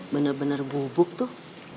bener bener bubuk tuh